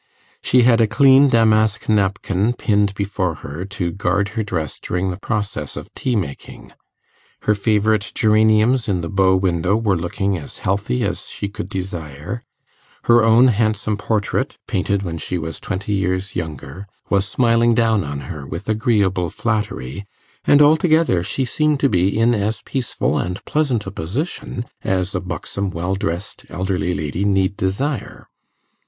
She had a clean damask napkin pinned before her to guard her dress during the process of tea making; her favourite geraniums in the bow window were looking as healthy as she could desire; her own handsome portrait, painted when she was twenty years younger, was smiling down on her with agreeable flattery; and altogether she seemed to be in as peaceful and pleasant a position as a buxom, well drest elderly lady need desire.